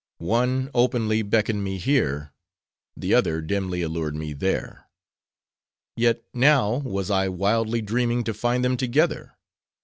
One, openly beckoned me here; the other dimly allured me there. Yet now was I wildly dreaming to find them together.